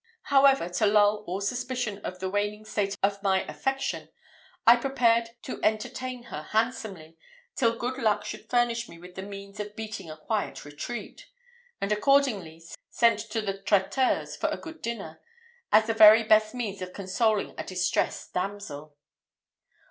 However, to lull all suspicion of the waning state of my affection, I prepared to entertain her handsomely, till good luck should furnish me with the means of beating a quiet retreat; and accordingly sent to the traiteur's for a good dinner, as the very best means of consoling a distressed damsel.